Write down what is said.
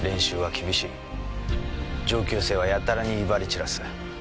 上級生はやたらに威張り散らす。